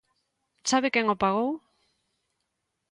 ¿Sabe quen o pagou?